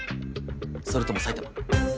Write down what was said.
それとも埼玉？